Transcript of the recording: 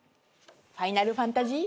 『ファイナルファンタジー』？